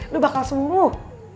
lu bakal sembuh